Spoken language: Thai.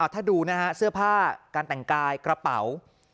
ถ้าดูนะฮะเสื้อผ้าการแต่งกายกระเป๋า